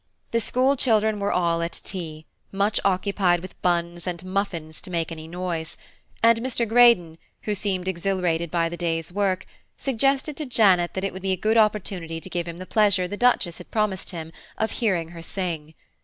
The school children were all at tea, too much occupied with buns and muffins to make any noise, and Mr. Greydon, who seemed exhilarated by the day's work, suggested to Janet that it would be a good opportunity to give him the pleasure the Duchess had promised him of hearing her sing.